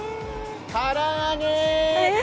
からあげ！